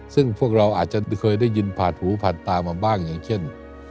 ซึ่งพวกเราอาจจะเคยได้ยินผ่านหูผ่านตามาบ้างอย่างเช่น